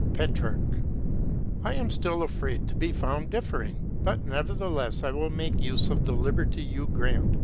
Petrarch. I am still afraid to be found differing, but nevertheless I will make use of the liberty you grant.